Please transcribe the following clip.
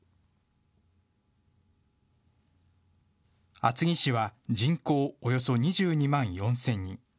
厚木市は人口およそ２２万４０００人。